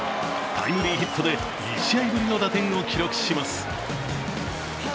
タイムリーヒットで２試合ぶりの打点を記録します。